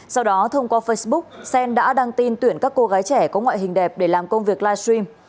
sau đó thông qua facebook xen đã đăng tin tuyển các cô gái trẻ có ngoại hình đẹp để làm công việc live stream